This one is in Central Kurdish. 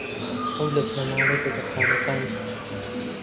ئەو لە بنەماڵەی بەدرخانییەکان بوو